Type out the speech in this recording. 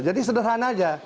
jadi sederhana saja